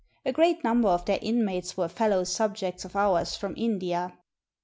A great number of their inmates were fellow subjects of ours from India.